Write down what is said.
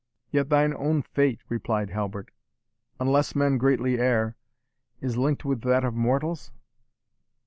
"Yet thine own fate," replied Halbert, "unless men greatly err, is linked with that of mortals?"